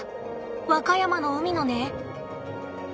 和歌山の海のね。